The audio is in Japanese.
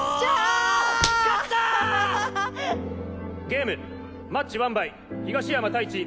ゲームマッチワンバイ東山太一・